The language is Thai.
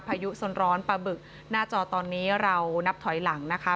พายุสนร้อนปลาบึกหน้าจอตอนนี้เรานับถอยหลังนะคะ